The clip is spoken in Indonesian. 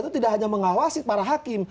itu tidak hanya mengawasi para hakim